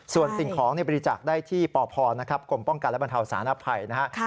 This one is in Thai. ส่วนติ่งของบริจาคได้ที่ปภกรมป้องกันและบรรเทาศาสนภัย